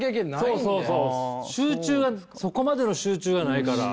集中そこまでの集中はないから。